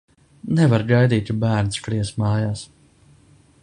Nevar gaidīt, ka bērni skries mājās.